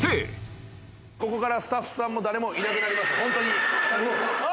ここからスタッフさんも誰もいなくなります。